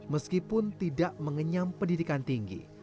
meskipun tidak mengenyam pendidikan tinggi